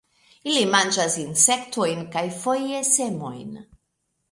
Ili manĝas insektojn kaj foje semojn.